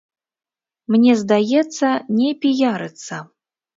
Мне здаецца, не піярыцца.